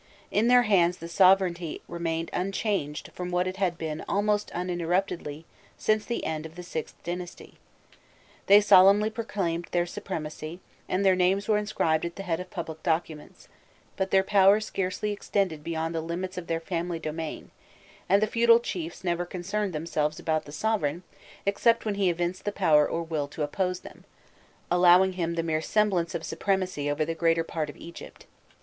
In their hands the sovereignty remained unchanged from what it had been almost uninterruptedly since the end of the VIth dynasty. They solemnly proclaimed their supremacy, and their names were inscribed at the head of public documents; but their power scarcely extended beyond the limits of their family domain, and the feudal chiefs never concerned themselves about the sovereign except when he evinced the power or will to oppose them, allowing him the mere semblance of supremacy over the greater part of Europe.